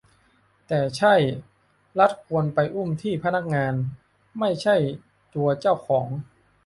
แต่ใช่ รัฐควรไปอุ้มที่พนักงาน ไม่ใช่ตัวเจ้าของ